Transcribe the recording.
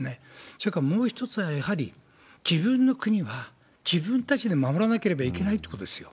それからもう一つはやはり、自分の国は自分たちで守らなければいけないってことですよ。